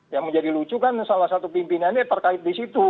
yang menjadi lucu kan salah satu pimpinannya terkait di situ